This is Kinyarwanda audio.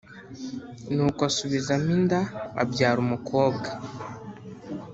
Nuko asubizamo inda abyara umukobwa